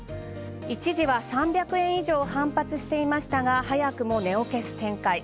一時は３００円以上反発していましたが、早くも値を消す展開。